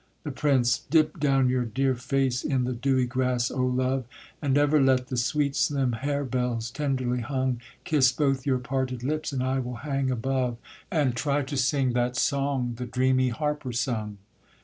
THE PRINCE. Dip down your dear face in the dewy grass, O love! And ever let the sweet slim harebells, tenderly hung, Kiss both your parted lips; and I will hang above, And try to sing that song the dreamy harper sung.